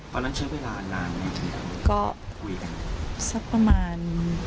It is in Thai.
เพราะฉะนั้นใช้เวลานานนี้ถึงก็คุยกันสักประมาณ